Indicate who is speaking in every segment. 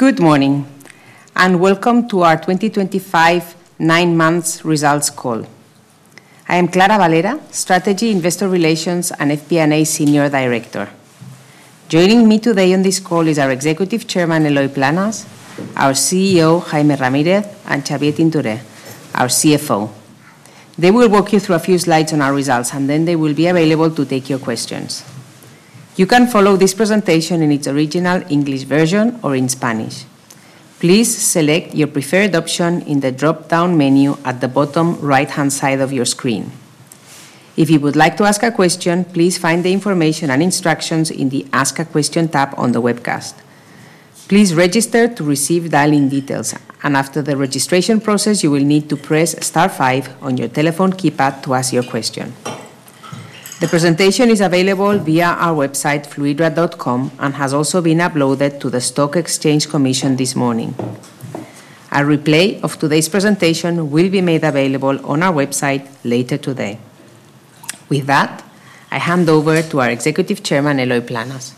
Speaker 1: Good morning and welcome to our 2025 Nine Months Results Call. I am Clara Valera, Strategy, Investor Relations, and FP&A Senior Director. Joining me today on this call is our Executive Chairman, Eloy Planes, our CEO, Jaime Ramírez, and Xavier Tintore, our CFO. They will walk you through a few slides on our results, and then they will be available to take your questions. You can follow this presentation in its original English version or in Spanish. Please select your preferred option in the drop-down menu at the bottom right-hand side of your screen. If you would like to ask a question, please find the information and instructions in the Ask a Question tab on the webcast. Please register to receive dial-in details, and after the registration process, you will need to press star five on your telephone keypad to ask your question. The presentation is available via our website, fluidra.com, and has also been uploaded to the Stock Exchange Commission this morning. A replay of today's presentation will be made available on our website later today. With that, I hand over to our Executive Chairman, Eloy Planes.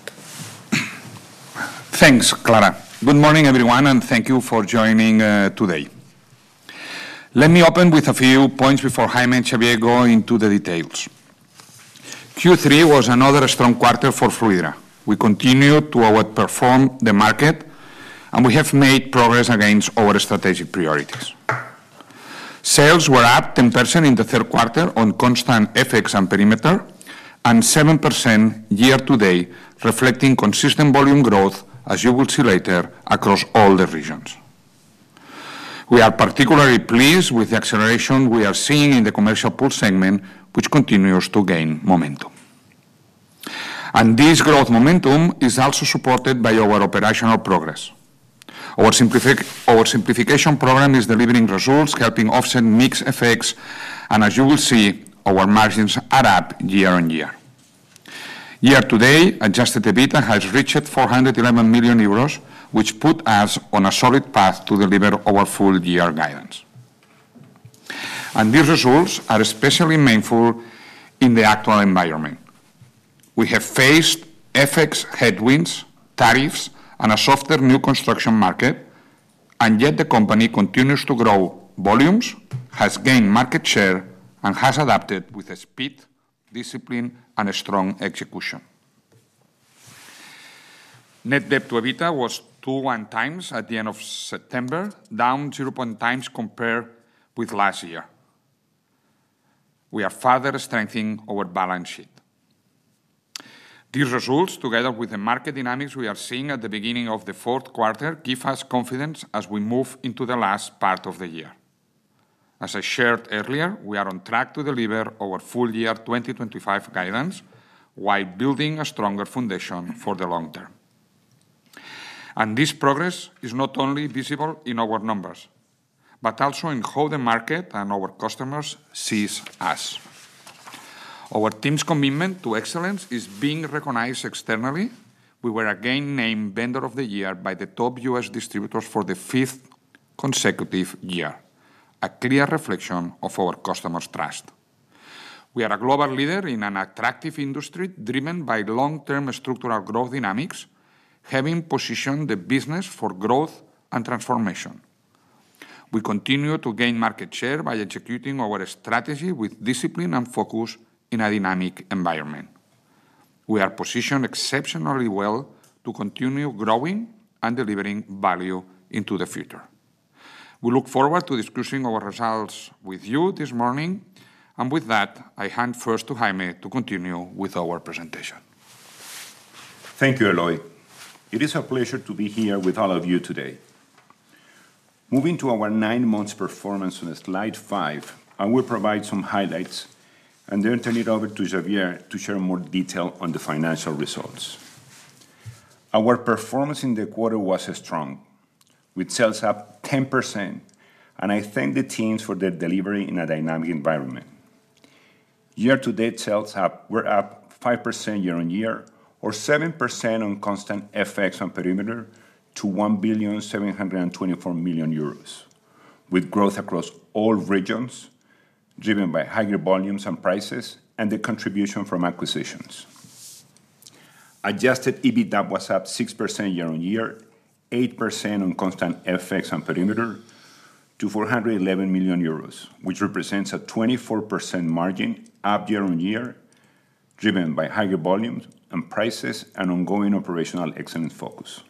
Speaker 2: Thanks, Clara. Good morning, everyone, and thank you for joining today. Let me open with a few points before Jaime and Xavier go into the details. Q3 was another strong quarter for Fluidra. We continued to outperform the market, and we have made progress against our strategic priorities. Sales were up 10% in the third quarter on constant FX and perimeter, and 7% year to date, reflecting consistent volume growth, as you will see later, across all the regions. We are particularly pleased with the acceleration we are seeing in the commercial pool segment, which continues to gain momentum. This growth momentum is also supported by our operational progress. Our simplification program is delivering results, helping offset mixed effects, and as you will see, our margins are up year-on-year. Year to date, Adjusted EBITDA has reached 411 million euros, which puts us on a solid path to deliver our full year guidance. These results are especially meaningful in the actual environment. We have faced FX headwinds, tariffs, and a softer new construction market, yet the company continues to grow volumes, has gained market share, and has adapted with speed, discipline, and strong execution. Net debt to EBITDA was 2.1 times at the end of September, down 0.1 times compared with last year. We are further strengthening our balance sheet. These results, together with the market dynamics we are seeing at the beginning of the fourth quarter, give us confidence as we move into the last part of the year. As I shared earlier, we are on track to deliver our full year 2025 guidance while building a stronger foundation for the long term. This progress is not only visible in our numbers, but also in how the market and our customers see us. Our team's commitment to excellence is being recognized externally. We were again named Vendor of the Year by the top U.S. distributors for the fifth consecutive year, a clear reflection of our customers' trust. We are a global leader in an attractive industry driven by long-term structural growth dynamics, having positioned the business for growth and transformation. We continue to gain market share by executing our strategy with discipline and focus in a dynamic environment. We are positioned exceptionally well to continue growing and delivering value into the future. We look forward to discussing our results with you this morning. With that, I hand first to Jaime to continue with our presentation.
Speaker 3: Thank you, Eloy. It is a pleasure to be here with all of you today. Moving to our nine months performance on slide five, I will provide some highlights and then turn it over to Xavier to share more detail on the financial results. Our performance in the quarter was strong, with sales up 10%, and I thank the teams for their delivery in a dynamic environment. Year-to-date sales were up 5% year-on-year, or 7% on constant FX and perimeter to 1,724,000,000 euros, with growth across all regions driven by higher volumes and prices and the contribution from acquisitions. Adjusted EBITDA was up 6% year-on-year, 8% on constant FX and perimeter to 411 million euros, which represents a 24% margin, up year-on-year, driven by higher volumes and prices and ongoing operational excellence focus.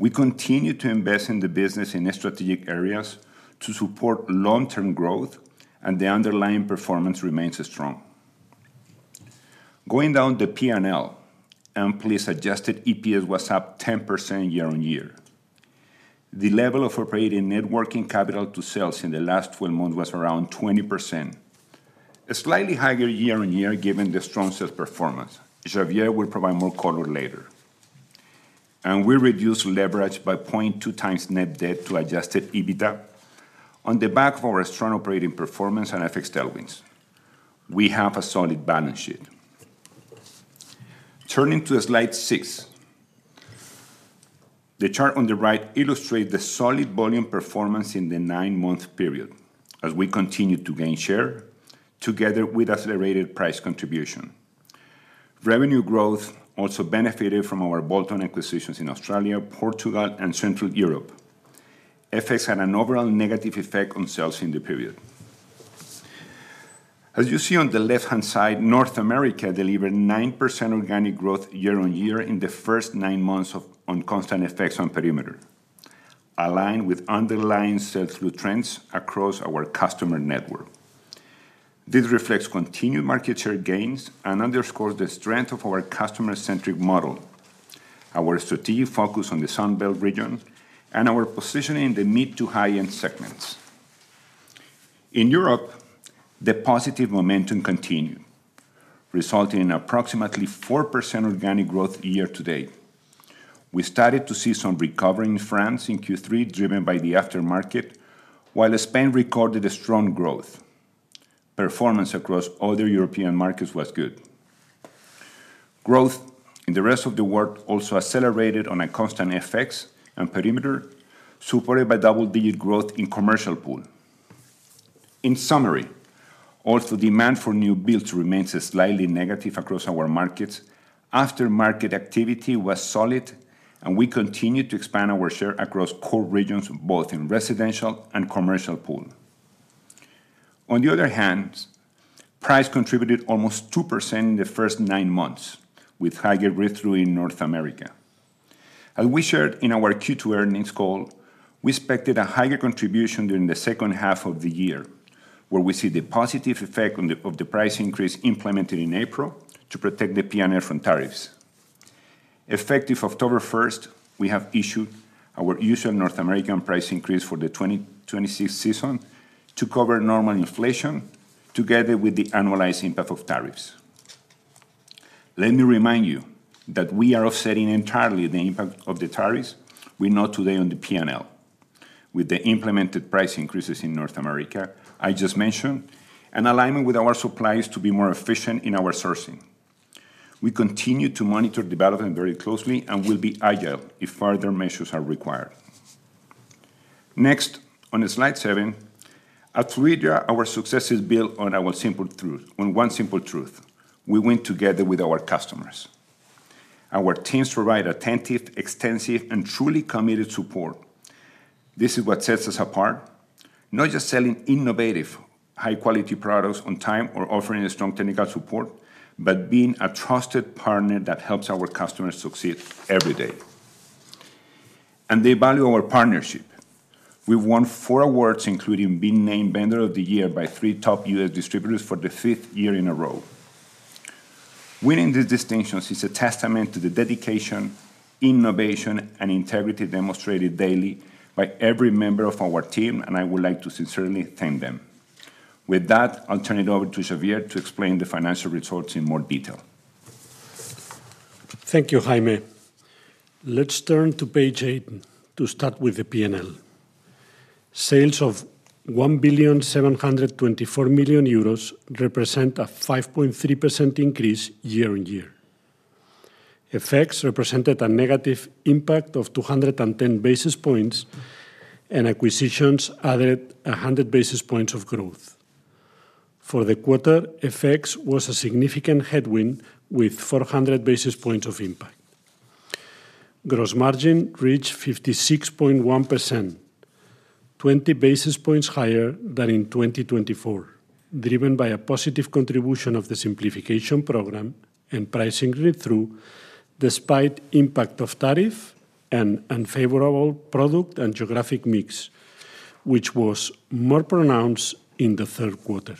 Speaker 3: We continue to invest in the business in strategic areas to support long-term growth, and the underlying performance remains strong. Going down the P&L, employees' adjusted EPS was up 10% year-on-year. The level of operating net working capital to sales in the last 12 months was around 20%, slightly higher year-on-year given the strong sales performance. Xavier will provide more color later. We reduced leverage by 0.2 times net debt to Adjusted EBITDA on the back of our strong operating performance and FX tailwinds. We have a solid balance sheet. Turning to slide six, the chart on the right illustrates the solid volume performance in the nine-month period as we continue to gain share, together with accelerated price contribution. Revenue growth also benefited from our bolt-on acquisitions in Australia, Portugal, and Central Europe. FX had an overall negative effect on sales in the period. As you see on the left-hand side, North America delivered 9% organic growth year-on-year in the first nine months on constant FX and perimeter, aligned with underlying sales trends across our customer network. This reflects continued market share gains and underscores the strength of our customer-centric model, our strategic focus on the Sunbelt region, and our positioning in the mid to high-end segments. In Europe, the positive momentum continued, resulting in approximately 4% organic growth year to date. We started to see some recovery in France in Q3, driven by the aftermarket, while Spain recorded strong growth. Performance across other European markets was good. Growth in the rest of the world also accelerated on a constant FX and perimeter, supported by double-digit growth in commercial pool. In summary, although demand for new builds remains slightly negative across our markets, aftermarket activity was solid, and we continue to expand our share across core regions, both in residential and commercial pool. On the other hand, price contributed almost 2% in the first nine months, with higher read-through in North America. As we shared in our Q2 earnings call, we expected a higher contribution during the second half of the year, where we see the positive effect of the price increase implemented in April to protect the P&L from tariffs. Effective October 1, we have issued our usual North American price increase for the 2026 season to cover normal inflation, together with the annualized impact of tariffs. Let me remind you that we are offsetting entirely the impact of the tariffs we note today on the P&L, with the implemented price increases in North America I just mentioned and alignment with our suppliers to be more efficient in our sourcing. We continue to monitor development very closely and will be agile if further measures are required. Next, on slide seven, at Fluidra, our success is built on one simple truth: we win together with our customers. Our teams provide attentive, extensive, and truly committed support. This is what sets us apart, not just selling innovative, high-quality products on time or offering a strong technical support, but being a trusted partner that helps our customers succeed every day. They value our partnership. We've won four awards, including being named Vendor of the Year by three top U.S. distributors for the fifth year in a row. Winning these distinctions is a testament to the dedication, innovation, and integrity demonstrated daily by every member of our team, and I would like to sincerely thank them. With that, I'll turn it over to Xavier to explain the financial results in more detail.
Speaker 4: Thank you, Jaime. Let's turn to page eight to start with the P&L. Sales of EUR 1.724 billion represent a 5.3% increase year-on-year. FX represented a negative impact of 210 basis points, and acquisitions added 100 basis points of growth. For the quarter, FX was a significant headwind with 400 basis points of impact. Gross margin reached 56.1%, 20 basis points higher than in 2024, driven by a positive contribution of the simplification program and pricing read-through, despite the impact of tariffs and unfavorable product and geographic mix, which was more pronounced in the third quarter.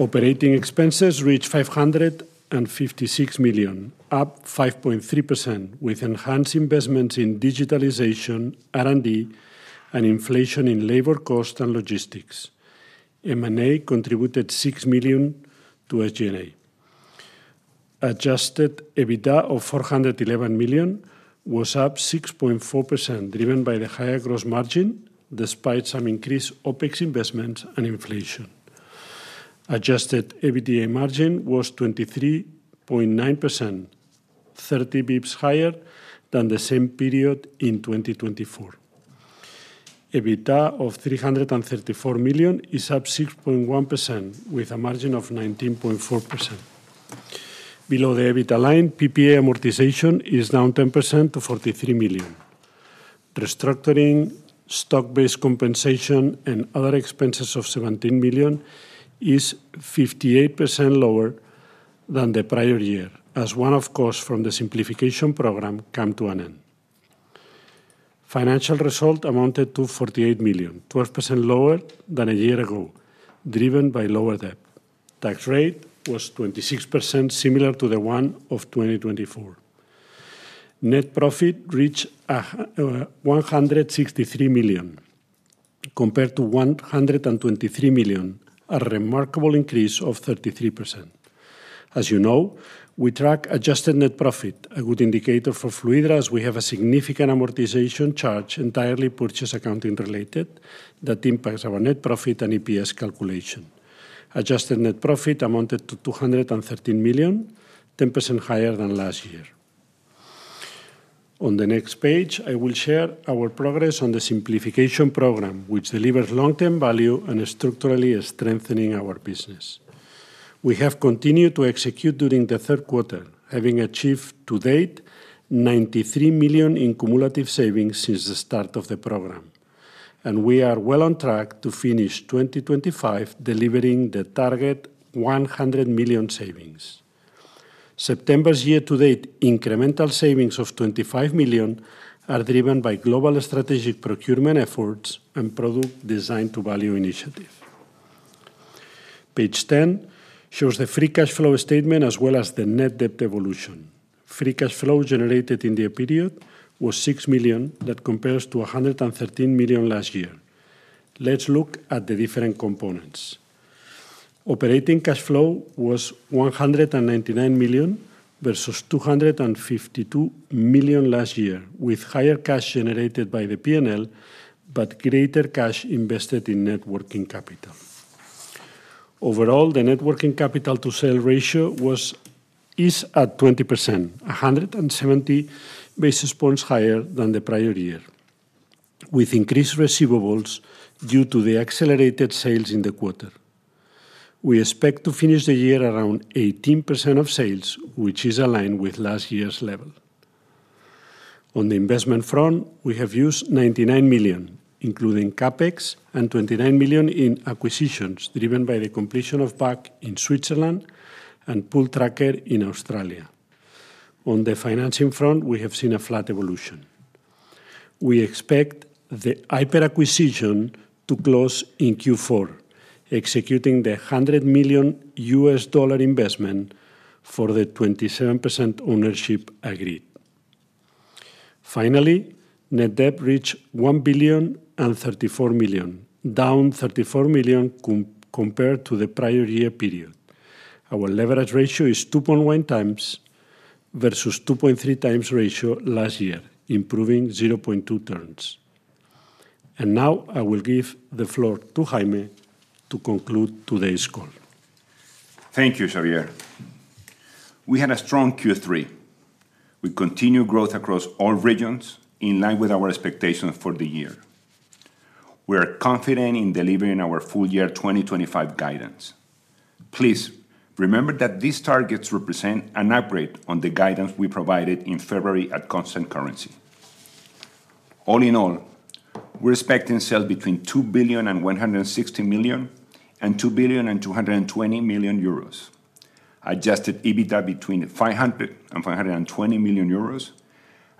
Speaker 4: Operating expenses reached 556 million, up 5.3%, with enhanced investments in digitalization, R&D, and inflation in labor costs and logistics. M&A contributed 6 million to SG&A. Adjusted EBITDA of 411 million was up 6.4%, driven by the higher gross margin, despite some increased OpEx investments and inflation. Adjusted EBITDA margin was 23.9%, 30 basis points higher than the same period in 2024. EBITDA of 334 million is up 6.1%, with a margin of 19.4%. Below the EBITDA line, PPA amortization is down 10% to 43 million. Restructuring, stock-based compensation, and other expenses of 17 million is 58% lower than the prior year, as one-off costs from the simplification program came to an end. Financial result amounted to 48 million, 12% lower than a year ago, driven by lower debt. Tax rate was 26%, similar to the one of 2024. Net profit reached 163 million, compared to 123 million, a remarkable increase of 33%. As you know, we track adjusted net profit, a good indicator for Fluidra, as we have a significant amortization charge, entirely purchase accounting related, that impacts our net profit and EPS calculation. Adjusted net profit amounted to 213 million, 10% higher than last year. On the next page, I will share our progress on the simplification program, which delivers long-term value and is structurally strengthening our business. We have continued to execute during the third quarter, having achieved to date 93 million in cumulative savings since the start of the program. We are well on track to finish 2025, delivering the target 100 million savings. September's year-to-date incremental savings of 25 million are driven by global strategic procurement efforts and product design-to-value initiative. Page 10 shows the free cash flow statement as well as the net debt evolution. Free cash flow generated in the period was 6 million, that compares to 113 million last year. Let's look at the different components. Operating cash flow was $199 million versus $252 million last year, with higher cash generated by the P&L, but greater cash invested in net working capital. Overall, the net working capital to sales ratio is at 20%, 170 basis points higher than the prior year, with increased receivables due to the accelerated sales in the quarter. We expect to finish the year around 18% of sales, which is aligned with last year's level. On the investment front, we have used $99 million, including CapEx, and $29 million in acquisitions, driven by the completion of BAQ in Switzerland and Pooltrackr in Australia. On the financing front, we have seen a flat evolution. We expect the Aiper acquisition to close in Q4, executing the $100 million U.S. dollar investment for the 27% ownership agreed. Finally, net debt reached $1,034 million, down $34 million compared to the prior year period. Our leverage ratio is 2.1 times versus 2.3 times ratio last year, improving 0.2 turns. I will give the floor to Jaime to conclude today's call.
Speaker 3: Thank you, Xavier. We had a strong Q3 with continued growth across all regions, in line with our expectations for the year. We are confident in delivering our full year 2025 guidance. Please remember that these targets represent an upgrade on the guidance we provided in February at constant currency. All in all, we're expecting sales between 2.16 billion and 2.22 billion, Adjusted EBITDA between 500 million euros and 520 million euros,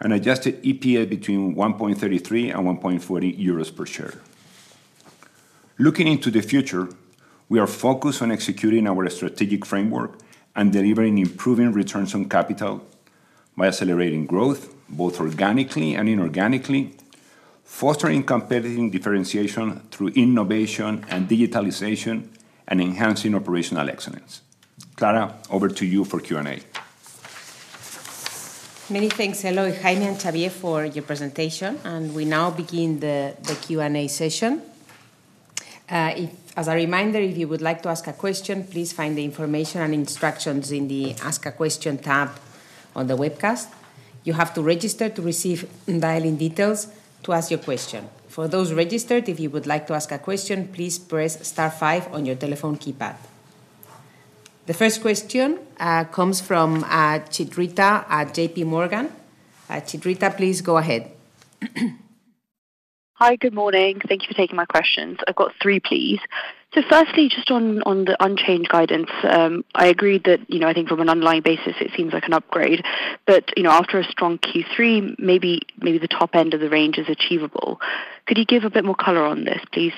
Speaker 3: and adjusted EPS between 1.33 and 1.40 euros per share. Looking into the future, we are focused on executing our strategic framework and delivering improving returns on capital by accelerating growth, both organically and inorganically, fostering competitive differentiation through innovation and digitalization, and enhancing operational excellence. Clara, over to you for Q&A.
Speaker 1: Many thanks, Eloy, Jaime, and Xavier, for your presentation. We now begin the Q&A session. As a reminder, if you would like to ask a question, please find the information and instructions in the Ask a Question tab on the webcast. You have to register to receive dial-in details to ask your question. For those registered, if you would like to ask a question, please press star five on your telephone keypad. The first question comes from Chitrita at JPMorgan. Chitrita, please go ahead.
Speaker 5: Hi, good morning. Thank you for taking my questions. I've got three, please. Firstly, just on the unchanged guidance, I agree that, you know, I think from an underlying basis, it seems like an upgrade. After a strong Q3, maybe the top end of the range is achievable. Could you give a bit more color on this, please?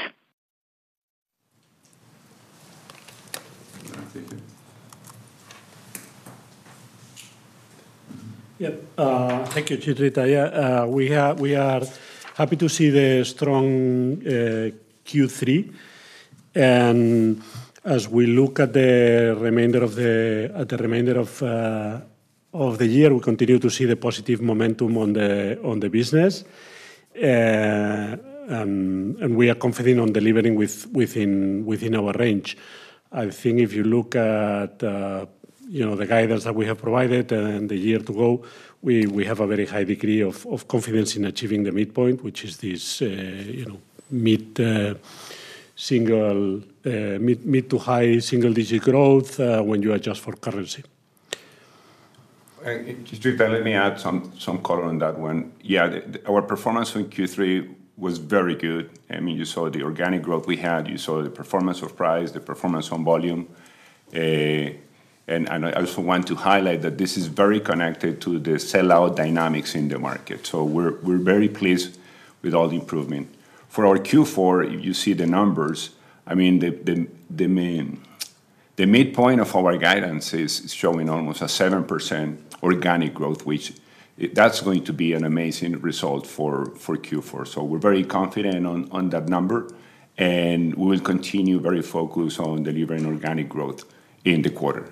Speaker 4: Thank you, Chitrita. We are happy to see the strong Q3. As we look at the remainder of the year, we continue to see the positive momentum on the business. We are confident on delivering within our range. If you look at the guidance that we have provided and the year to go, we have a very high degree of confidence in achieving the midpoint, which is this mid to high single-digit growth when you adjust for currency.
Speaker 3: Chitrita, let me add some color on that one. Our performance in Q3 was very good. I mean, you saw the organic growth we had. You saw the performance of price, the performance on volume. I also want to highlight that this is very connected to the sell-out dynamics in the market. We're very pleased with all the improvement. For our Q4, if you see the numbers, the midpoint of our guidance is showing almost a 7% organic growth, which is going to be an amazing result for Q4. We're very confident on that number, and we will continue very focused on delivering organic growth in the quarter.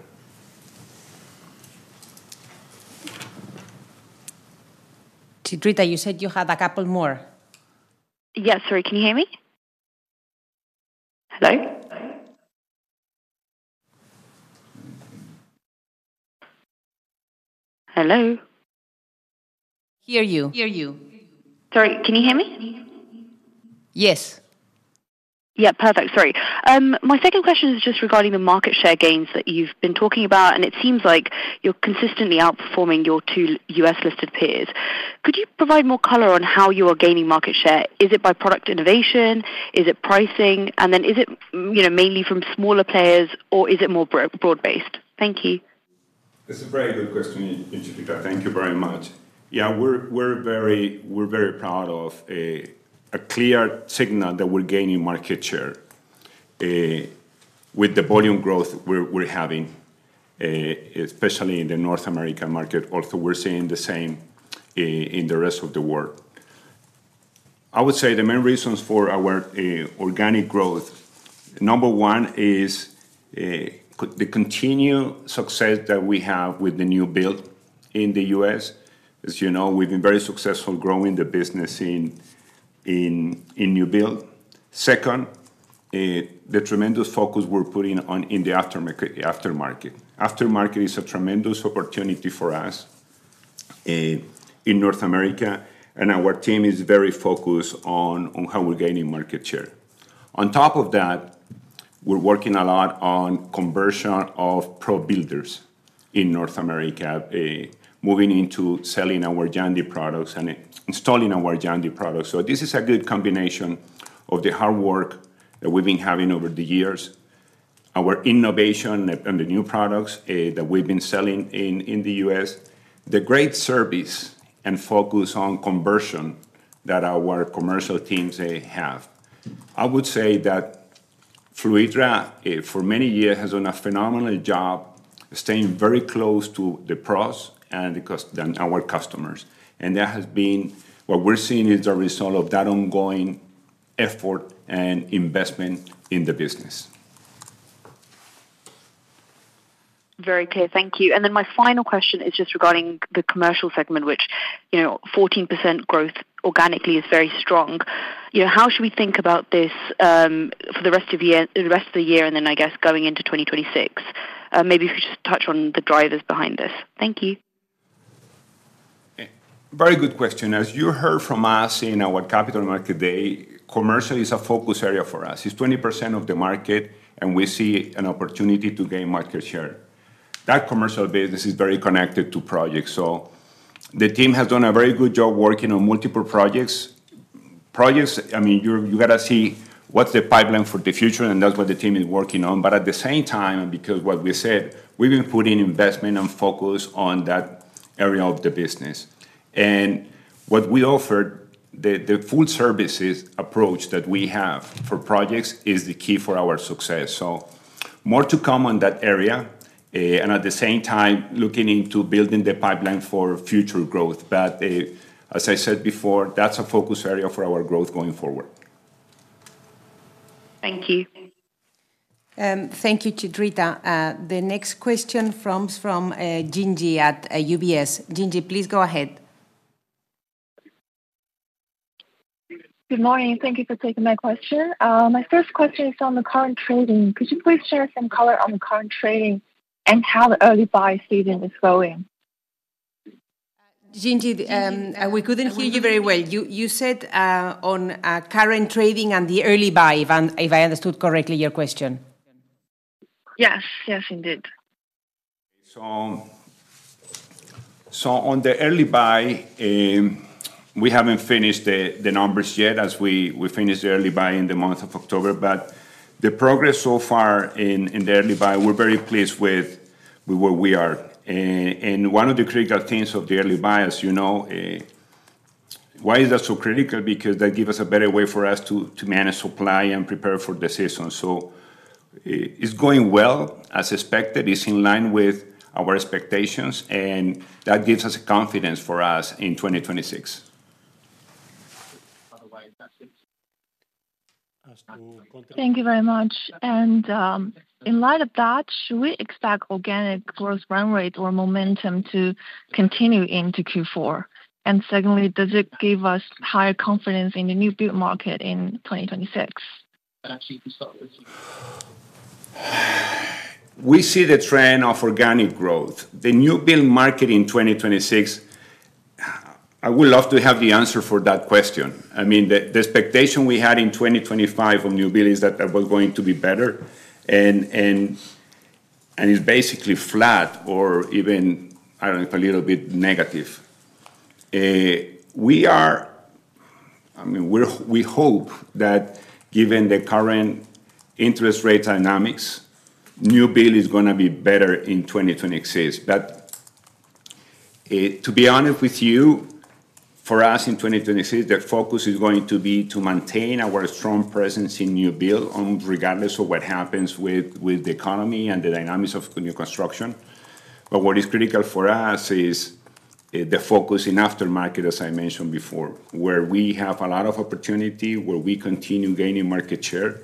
Speaker 1: Chitrita, you said you had a couple more.
Speaker 5: Yes, sorry, can you hear me? Hello? Hello?
Speaker 1: Hear you.
Speaker 5: Sorry, can you hear me?
Speaker 1: Yes.
Speaker 5: Yeah, perfect. Sorry. My second question is just regarding the market share gains that you've been talking about. It seems like you're consistently outperforming your two U.S.-listed peers. Could you provide more color on how you are gaining market share? Is it by product innovation? Is it pricing? Is it, you know, mainly from smaller players, or is it more broad-based? Thank you.
Speaker 3: That's a very good question, Chitrita. Thank you very much. Yeah, we're very proud of a clear signal that we're gaining market share with the volume growth we're having, especially in the North American market. We're seeing the same in the rest of the world. I would say the main reasons for our organic growth, number one, is the continued success that we have with the new build in the U.S. As you know, we've been very successful growing the business in new build. Second, the tremendous focus we're putting on the aftermarket. Aftermarket is a tremendous opportunity for us in North America, and our team is very focused on how we're gaining market share. On top of that, we're working a lot on conversion of pro builders in North America, moving into selling our Jandy products and installing our Jandy products. This is a good combination of the hard work that we've been having over the years, our innovation and the new products that we've been selling in the U.S., the great service, and focus on conversion that our commercial teams have. I would say that Fluidra, for many years, has done a phenomenal job staying very close to the pros and our customers. That has been what we're seeing as a result of that ongoing effort and investment in the business.
Speaker 5: Very clear. Thank you. My final question is just regarding the commercial pool segment, which, you know, 14% growth organically is very strong. How should we think about this for the rest of the year and then, I guess, going into 2026? Maybe if you could just touch on the drivers behind this. Thank you.
Speaker 3: Very good question. As you heard from us in our Capital Market Day, commercial is a focus area for us. It's 20% of the market, and we see an opportunity to gain market share. That commercial business is very connected to projects. The team has done a very good job working on multiple projects. Projects, I mean, you got to see what's the pipeline for the future, and that's what the team is working on. At the same time, because of what we said, we've been putting investment and focus on that area of the business. What we offer, the full services approach that we have for projects, is the key for our success. More to come on that area, and at the same time, looking into building the pipeline for future growth. As I said before, that's a focus area for our growth going forward. Thank you.
Speaker 1: Thank you, Chitrita. The next question comes from Jinji at UBS. Jinji, please go ahead.
Speaker 6: Good morning. Thank you for taking my question. My first question is on the current trading. Could you please share some color on the current trading and how the early buy season is going?
Speaker 1: Jinji, we couldn't hear you very well. You said on current trading and the early buy, if I understood correctly your question.
Speaker 6: Yes, yes, indeed.
Speaker 3: On the early buy, we haven't finished the numbers yet as we finish the early buy in the month of October. The progress so far in the early buy, we're very pleased with where we are. One of the critical things of the early buy, as you know, why is that so critical? That gives us a better way for us to manage supply and prepare for the season. It's going well, as expected. It's in line with our expectations, and that gives us confidence for us in 2026.
Speaker 6: Thank you very much. In light of that, should we expect organic growth run rate or momentum to continue into Q4? Secondly, does it give us higher confidence in the new build market in 2026?
Speaker 3: We see the trend of organic growth. The new build market in 2026, I would love to have the answer for that question. I mean, the expectation we had in 2025 of new build is that that was going to be better, and it's basically flat or even, I don't know, a little bit negative. We hope that given the current interest rate dynamics, new build is going to be better in 2026. To be honest with you, for us in 2026, the focus is going to be to maintain our strong presence in new build regardless of what happens with the economy and the dynamics of new construction. What is critical for us is the focus in aftermarket, as I mentioned before, where we have a lot of opportunity, where we continue gaining market share.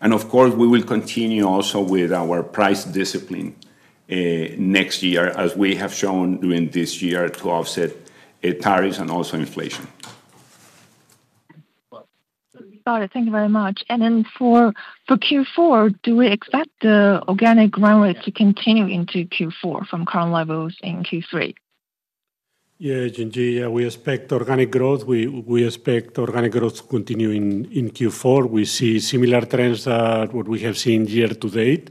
Speaker 3: Of course, we will continue also with our price discipline next year, as we have shown during this year to offset tariffs and also inflation.
Speaker 6: Got it. Thank you very much. For Q4, do we expect the organic run rate to continue into Q4 from current levels in Q3?
Speaker 4: Yeah, Jinji. We expect organic growth. We expect organic growth to continue in Q4. We see similar trends to what we have seen year to date.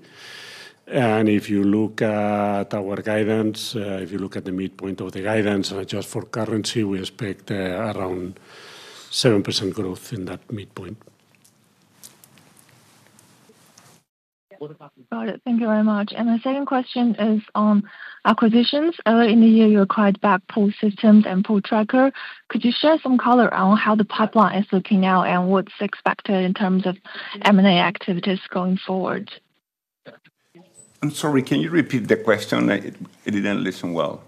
Speaker 4: If you look at our guidance, if you look at the midpoint of the guidance and adjust for currency, we expect around 7% growth in that midpoint.
Speaker 6: Got it. Thank you very much. My second question is on acquisitions. Earlier in the year, you acquired BAQ Pool Systems and Pooltrackr. Could you share some color on how the pipeline is looking out and what's expected in terms of M&A activities going forward?
Speaker 4: I'm sorry, can you repeat the question? I didn't listen well.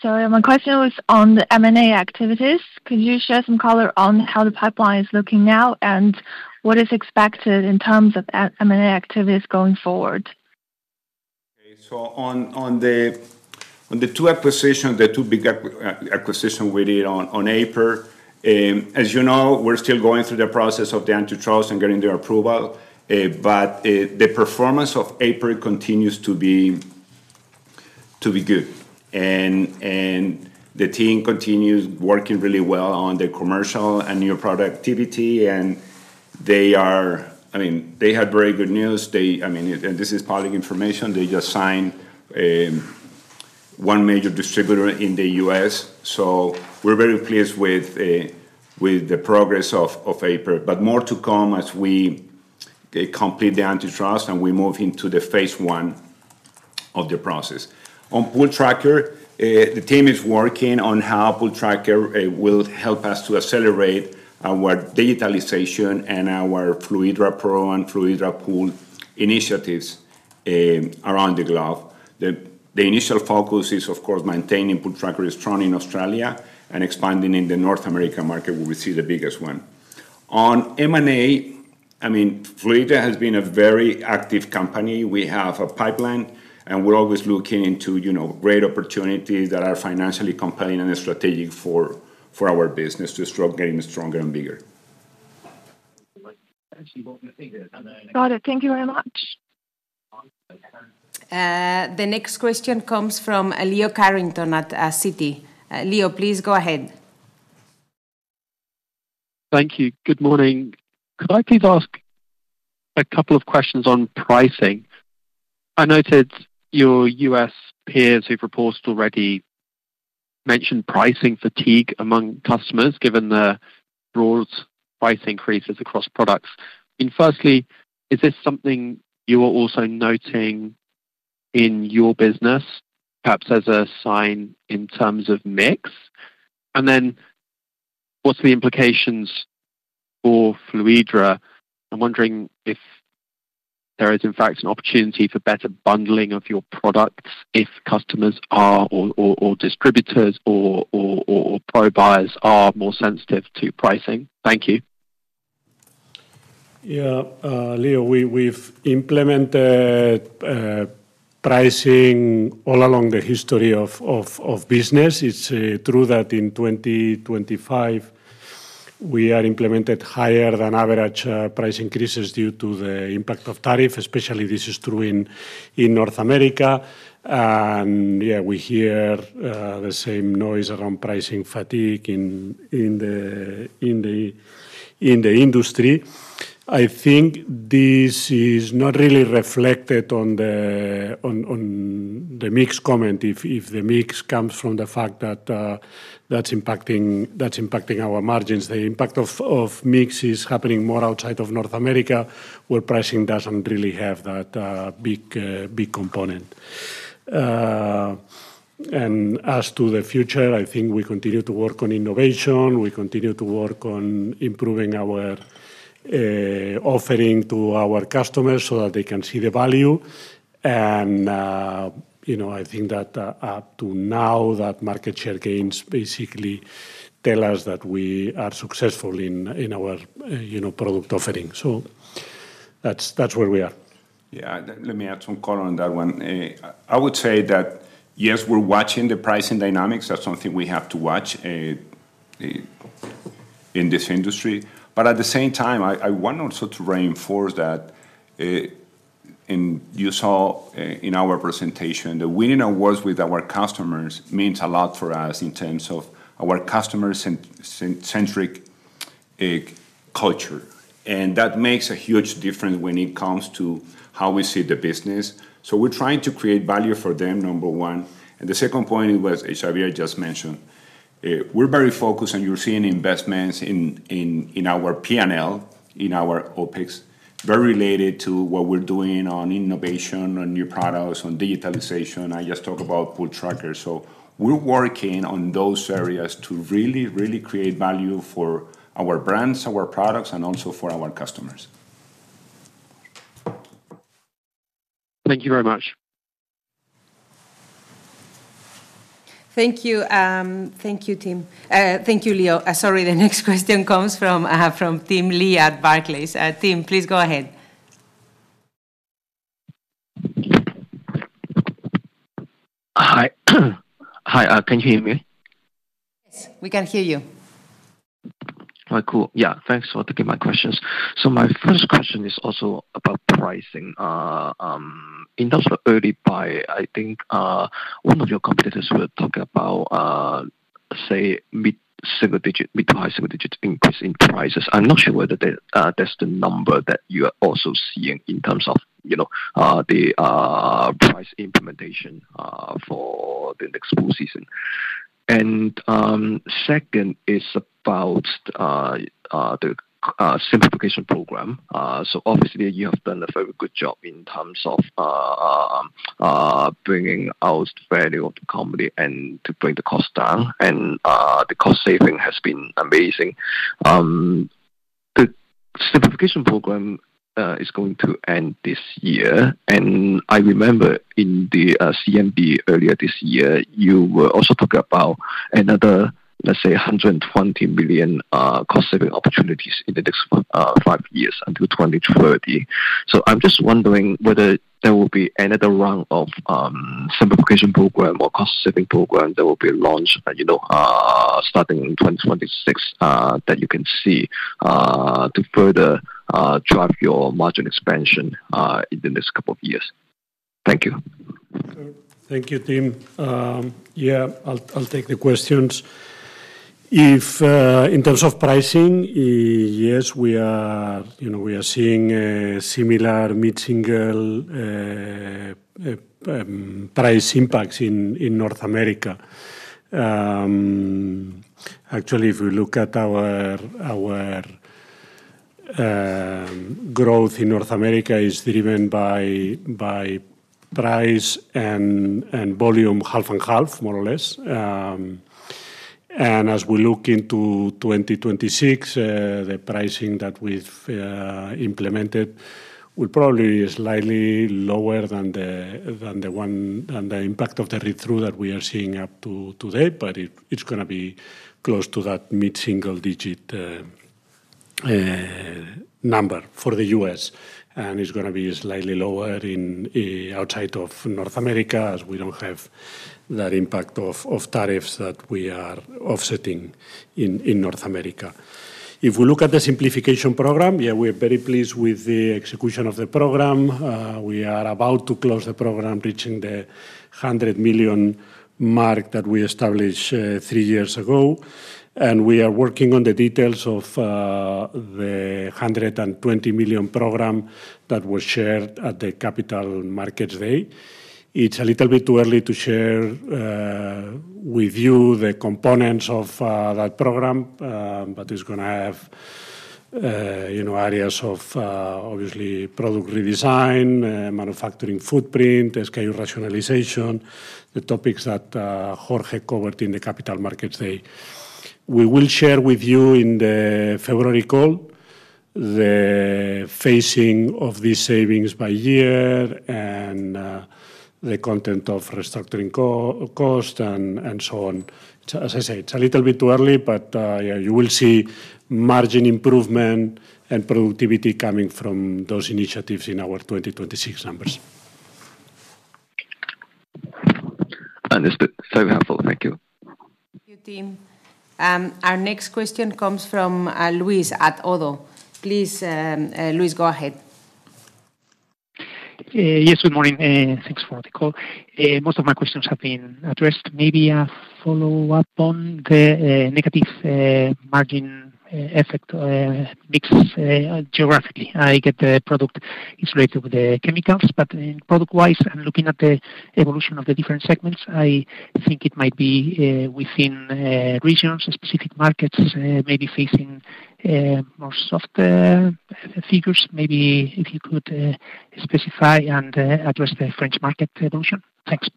Speaker 6: Sorry. My question was on the M&A activities. Could you share some color on how the pipeline is looking now, and what is expected in terms of M&A activities going forward?
Speaker 4: Okay. On the two acquisitions, the two big acquisitions we did on Aiper. As you know, we're still going through the process of the antitrust and getting their approval. The performance of Aiper continues to be good, and the team continues working really well on the commercial and new product activity. They had very good news. This is public information. They just signed one major distributor in the U.S., so we're very pleased with the progress of Aiper. More to come as we complete the antitrust and we move into the phase one of the process. On Pooltrackr, the team is working on how Pooltrackr will help us to accelerate our digitalization and our Fluidra Pro and Fluidra Pool initiatives around the globe. The initial focus is, of course, maintaining Pooltrackr strong in Australia and expanding in the North American market where we see the biggest one. On M&A, Fluidra has been a very active company. We have a pipeline, and we're always looking into great opportunities that are financially compelling and strategic for our business to getting stronger and bigger.
Speaker 6: Got it. Thank you very much.
Speaker 1: The next question comes from Leo Carrington at Citi. Leo, please go ahead.
Speaker 7: Thank you. Good morning. Could I please ask a couple of questions on pricing? I noted your U.S. peers who've reported already mentioned pricing fatigue among customers, given the broad price increases across products. Firstly, is this something you are also noting in your business, perhaps as a sign in terms of mix? What are the implications for Fluidra? I'm wondering if there is, in fact, an opportunity for better bundling of your products if customers or distributors or pro buyers are more sensitive to pricing. Thank you.
Speaker 4: Yeah. Leo, we've implemented pricing all along the history of business. It's true that in 2025, we have implemented higher than average price increases due to the impact of tariffs, especially this is true in North America. We hear the same noise around pricing fatigue in the industry. I think this is not really reflected on the mix comment if the mix comes from the fact that that's impacting our margins. The impact of mix is happening more outside of North America, where pricing doesn't really have that big component. As to the future, I think we continue to work on innovation. We continue to work on improving our offering to our customers so that they can see the value. I think that up to now, that market share gains basically tell us that we are successful in our product offering. That's where we are.
Speaker 3: Yeah, let me add some color on that one. I would say that, yes, we're watching the pricing dynamics. That's something we have to watch in this industry. At the same time, I want also to reinforce that, and you saw in our presentation, the winning awards with our customers mean a lot for us in terms of our customer-centric culture. That makes a huge difference when it comes to how we see the business. We're trying to create value for them, number one. The second point, as Xavier just mentioned, we're very focused, and you're seeing investments in our P&L, in our OpEx, very related to what we're doing on innovation, on new products, on digitalization. I just talked about Pooltrackr. We're working on those areas to really, really create value for our brands, our products, and also for our customers.
Speaker 7: Thank you very much.
Speaker 1: Thank you. Thank you, team. Thank you, Leo. The next question comes from Tim Lee at Barclays. Tim, please go ahead.
Speaker 8: Hi. Can you hear me?
Speaker 1: Yes, we can hear you.
Speaker 8: All right. Cool. Yeah, thanks for taking my questions. My first question is also about pricing. In terms of early buy, I think one of your competitors was talking about, say, mid-single-digit, mid to high single-digit increase in prices. I'm not sure whether that's the number that you are also seeing in terms of the price implementation for the next pool season. My second is about the simplification program. Obviously, you have done a very good job in terms of bringing out the value of the company and bringing the cost down. The cost saving has been amazing. The simplification program is going to end this year. I remember in the CMB earlier this year, you were also talking about another, let's say, $120 million cost-saving opportunities in the next five years until 2030. I'm just wondering whether there will be another round of simplification program or cost-saving program that will be launched starting in 2026 that you can see to further drive your margin expansion in the next couple of years. Thank you.
Speaker 4: Thank you, team. I'll take the questions. In terms of pricing, yes, we are seeing similar mid-single price impacts in North America. Actually, if we look at our growth in North America, it's driven by price and volume, half and half, more or less. As we look into 2026, the pricing that we've implemented will probably be slightly lower than the impact of the read-through that we are seeing up to date. It's going to be close to that mid-single-digit number for the U.S., and it's going to be slightly lower outside of North America as we don't have that impact of tariffs that we are offsetting in North America. If we look at the simplification program, we are very pleased with the execution of the program. We are about to close the program, reaching the $100 million mark that we established three years ago. We are working on the details of the $120 million program that was shared at the Capital Markets Day. It's a little bit too early to share with you the components of that program, but it's going to have areas of obviously product redesign, manufacturing footprint, SKU rationalization, the topics that Jorge covered in the Capital Markets Day. We will share with you in the February call the phasing of these savings by year and the content of restructuring costs and so on. As I say, it's a little bit too early, but you will see margin improvement and productivity coming from those initiatives in our 2026 numbers.
Speaker 8: Understood. So helpful. Thank you.
Speaker 1: Thank you, team. Our next question comes from Luis at ODDO. Please, Luis, go ahead. Yes, good morning. Thanks for the call. Most of my questions have been addressed. Maybe a follow-up on the negative margin effect mix geographically. I get the product isolated with the chemicals, but in product-wise, I'm looking at the evolution of the different segments. I think it might be within regions, specific markets may be facing more soft figures. Maybe if you could specify and address the French market evolution. Thanks.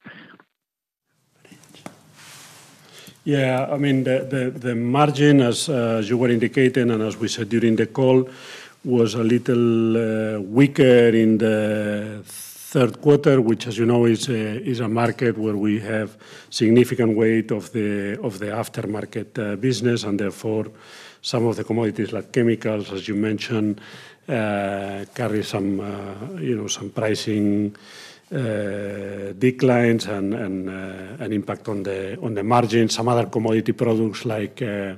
Speaker 4: Yeah, I mean, the margin, as you were indicating and as we said during the call, was a little weaker in the third quarter, which, as you know, is a market where we have a significant weight of the aftermarket business. Therefore, some of the commodities like chemicals, as you mentioned, carry some pricing declines and an impact on the margin. Some other commodity products like liner.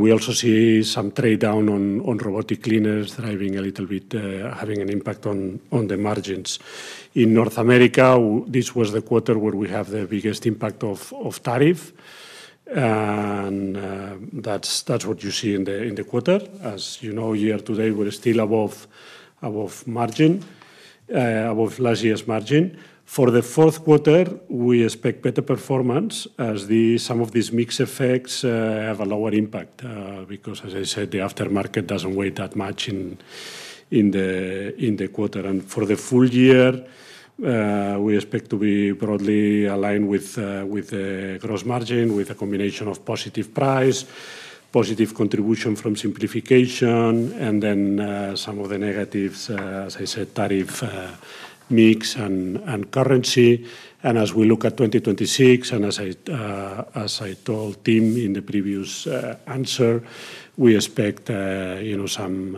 Speaker 4: We also see some trade down on robotic cleaners driving a little bit, having an impact on the margins. In North America, this was the quarter where we have the biggest impact of tariff, and that's what you see in the quarter. As you know, year to date, we're still above margin, above last year's margin. For the fourth quarter, we expect better performance as some of these mixed effects have a lower impact because, as I said, the aftermarket doesn't weigh that much in the quarter. For the full year, we expect to be broadly aligned with the gross margin, with a combination of positive price, positive contribution from simplification, and then some of the negatives, as I said, tariff mix and currency. As we look at 2026, and as I told Tim in the previous answer, we expect some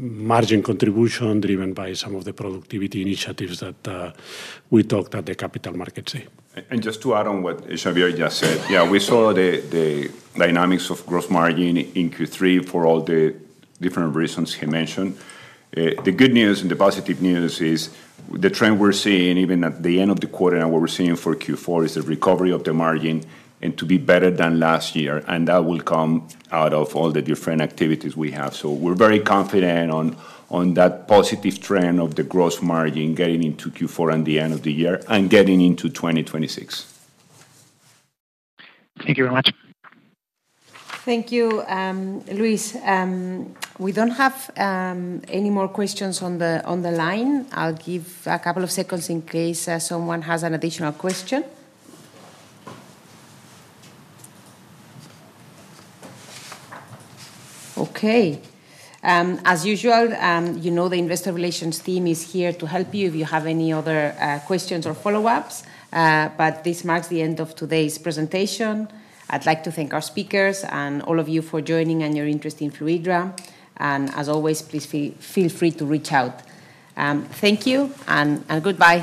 Speaker 4: margin contribution driven by some of the productivity initiatives that we talked at the Capital Markets Day.
Speaker 3: To add on what Xavier just said, yeah, we saw the dynamics of gross margin in Q3 for all the different reasons he mentioned. The good news and the positive news is the trend we're seeing, even at the end of the quarter, and what we're seeing for Q4 is the recovery of the margin and to be better than last year. That will come out of all the different activities we have. We're very confident on that positive trend of the gross margin getting into Q4 and the end of the year and getting into 2026. Thank you very much.
Speaker 1: Thank you, Luis. We don't have any more questions on the line. I'll give a couple of seconds in case someone has an additional question. Okay. As usual, you know, the Investor Relations team is here to help you if you have any other questions or follow-ups. This marks the end of today's presentation. I'd like to thank our speakers and all of you for joining and your interest in Fluidra. As always, please feel free to reach out. Thank you and goodbye.